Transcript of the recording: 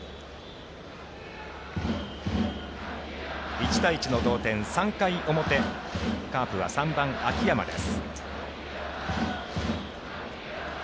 １対１の同点、３回表カープは３番、秋山です。